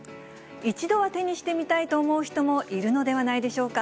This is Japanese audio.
一度は手にしてみたいと思う人もいるのではないでしょうか。